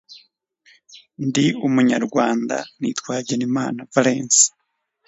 indengegeciro z’igihugu: itsinde ry’ebentu